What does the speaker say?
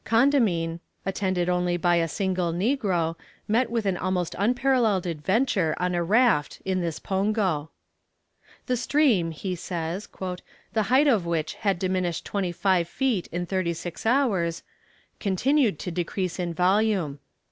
Condamine, attended only by a single negro, met with an almost unparalleled adventure on a raft in this pongo. "The stream," he says, "the height of which had diminished twenty five feet in thirty six hours, continued to decrease in volume.